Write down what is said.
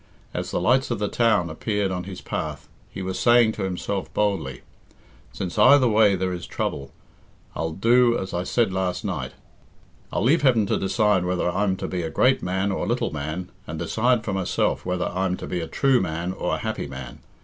As the lights of the town appeared on his path, he was saying to himself boldly, "Since either way there is trouble, I'll do as I said last night I'll leave Heaven to decide whether I'm to be a great man or a little man, and decide for myself whether I'm to be a true man or a happy man.